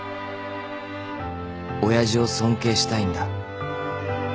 ［親父を尊敬したいんだ］